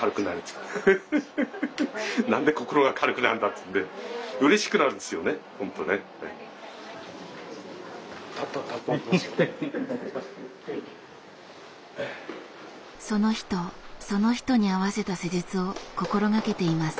その人その人に合わせた施術を心がけています。